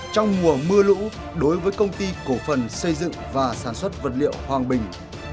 trong mùa mưa lũ đối với công ty cổ phần xây dựng và sản xuất vật liệu hoàng bình